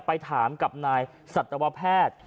ไปถามกับนายสัตวแพทย์